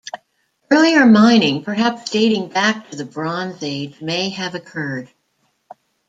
Earlier mining, perhaps dating back to the Bronze Age, may have occurred.